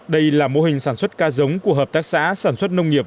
đây là mô hình sản xuất ca giống của hợp tác xã sản xuất nông nhiệm